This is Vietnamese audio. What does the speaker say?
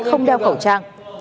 không đeo khẩu trang